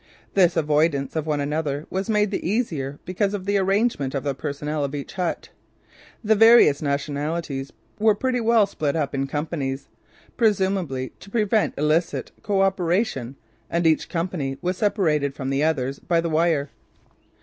This avoidance of one another was made the easier because of the arrangement of the personnel of each hut. The various nationalities were pretty well split up in companies, presumably to prevent illicit co operation and each company was separated from the others by the wire.